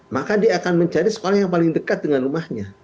maka dia akan mencari sekolah yang paling dekat dengan rumahnya